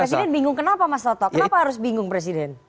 presiden bingung kenapa mas toto kenapa harus bingung presiden